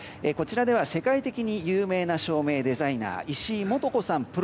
こちらでは世界的に有名な照明デザイナー石井さん